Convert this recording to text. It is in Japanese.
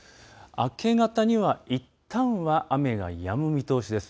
明け方にはいったんは雨がやむ見通しです。